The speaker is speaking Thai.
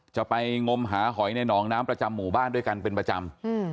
จะไปงมหาหอยในหนองน้ำประจำหมู่บ้านด้วยกันเป็นประจำ